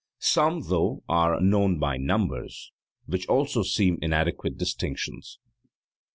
Some, though, are known by numbers, which also seem inadequate distinctions.